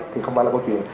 thì không phải là câu chuyện